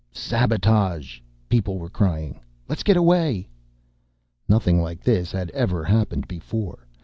"Sabotage!" people were crying. "Let's get away!" Nothing like this had ever happened before.